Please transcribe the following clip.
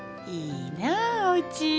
いいなぁおうち。